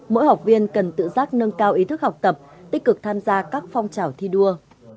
mỗi học viên cần tự giác nâng cao ý thức học tập tích cực tham gia các phong trào thi đua